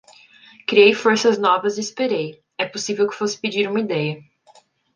Criei forças novas e esperei...é possível que fosse pedir uma ideia...